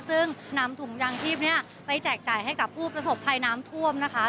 ซึ่งนำถุงยางชีพนี้ไปแจกจ่ายให้กับผู้ประสบภัยน้ำท่วมนะคะ